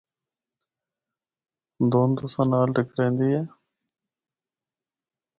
دُھند تُساں نال ٹَکریندی اے۔